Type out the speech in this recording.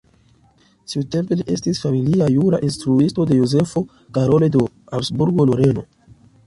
Tiutempe li estis familia jura instruisto de Jozefo Karolo de Habsburgo-Loreno.